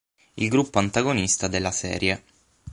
Il gruppo antagonista della serie.